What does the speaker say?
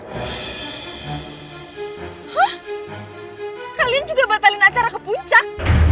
hah kalian juga batalin acara kepuncak